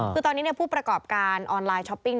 คือตอนนี้ผู้ประกอบการออนไลน์ช้อปปิ้ง